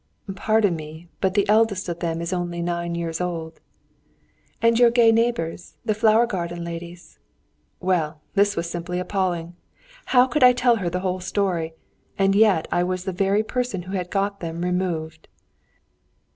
"Pardon me, but the eldest of them is only nine years old." "And your gay neighbours, the flower garden ladies?" Well, this was simply appalling. How could I tell her the whole story? And yet I was the very person who had got them removed.